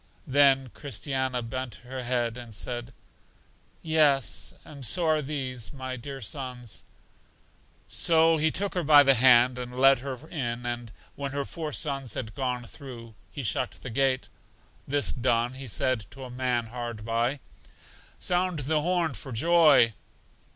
Then Christiana bent her head, and said, Yes, and so are these, my dear sons. So He took her by the hand and led her in; and when her four sons had gone through, He shut the gate. This done, He said to a man hard by, Sound the horn for joy.